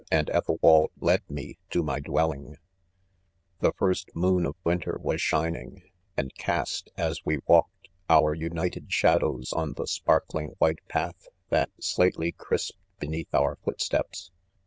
and Ethelwald led me to my dwell ing*. ■ e2 100 IDOMEN. 'The first moon of winter was shining, and cast, as we walked, our united shadows on the sparkling white path that slightly crisped be neath our footsteps.